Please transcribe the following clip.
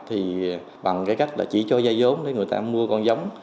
thì bằng cái cách là chỉ cho dây giống để người ta mua con giống